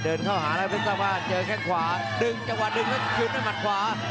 เดินเข้าหาแล้วเพชรสร้างบ้านเจอแค่งขวาดึงจังหวะดึงแล้วคืนด้วยหมัดขวา